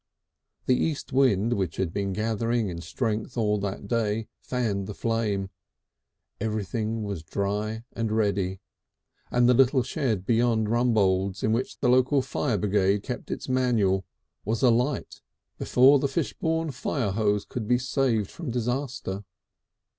The east wind, which had been gathering in strength all that day, fanned the flame; everything was dry and ready, and the little shed beyond Rumbold's in which the local Fire Brigade kept its manual, was alight before the Fishbourne fire hose could be saved from disaster.